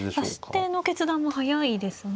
指し手の決断も速いですね。